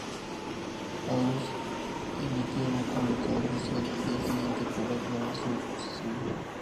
Angus emitió un comunicado oficial al día siguiente para aclarar su posición.